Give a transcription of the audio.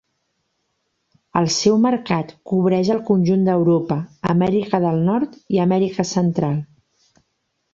El seu mercat cobreix el conjunt d'Europa, Amèrica del Nord i Amèrica central.